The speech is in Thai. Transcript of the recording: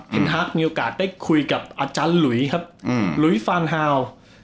เทนฮาร์กมีโอกาสได้คุยกับอาจารย์หลุยฟานฮาล